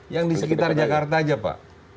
yang di sekitar jakarta aja pak